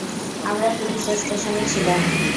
আমরা পুলিশ স্টেশনে ছিলাম।